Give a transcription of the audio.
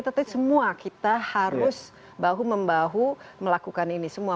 tetapi semua kita harus bahu membahu melakukan ini semua